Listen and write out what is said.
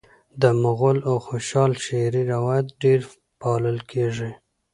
د مغل او خوشحال شعري روایت ډېر پالل کیږي